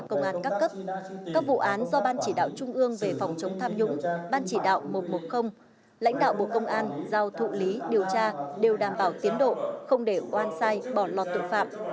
công an do ban chỉ đạo trung ương về phòng chống tham nhũng ban chỉ đạo một trăm một mươi lãnh đạo bộ công an giao thụ lý điều tra đều đảm bảo tiến độ không để quan sai bỏ lọt tội phạm